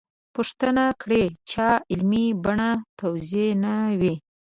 پوښتنه کړې چا علمي بڼه توضیح نه وي.